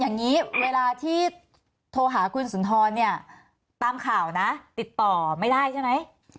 อย่างนี้เวลาที่โทรหาคุณสุนทรเนี่ยตามข่าวนะติดต่อไม่ได้ใช่ไหม